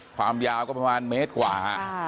ความยาวก็ประมาณเมตรกว่า